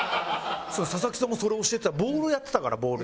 佐々木さんもそれ教えてたボールやってたからボール。